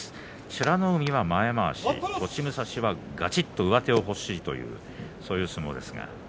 美ノ海は前まわし栃武蔵はがっちりと上手が欲しいという相撲です。